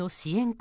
国